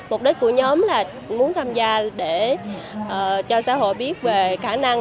mục đích của nhóm là muốn tham gia để cho xã hội biết về khả năng